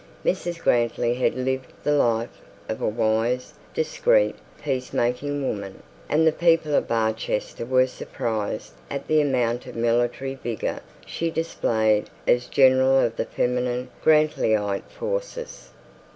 Mrs Grantly had lived the life of a wise, discreet, peace making woman; and the people of Barchester were surprised at the amount of military vigour she displayed as general of the feminine Grantlyite forces.